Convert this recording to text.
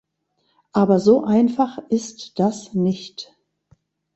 Aber so einfach ist das nicht.